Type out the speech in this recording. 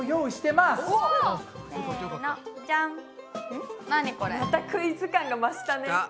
またクイズ感が増したね。